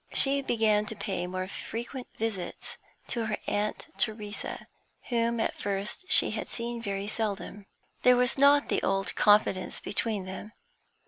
She began to pay more frequent visits to her aunt Theresa, whom at first she had seen very seldom. There was not the old confidence between them.